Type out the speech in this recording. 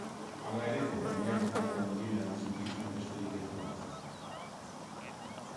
Hala ere, konpainiak kalte handien erantzukizuna besterik ez du hartzen.